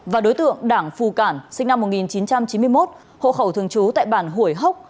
và đối tượng đảng phù cản sinh năm một nghìn chín trăm chín mươi một hộ khẩu thường trú tại bản hủy hốc